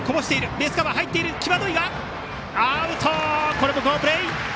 これも好プレー！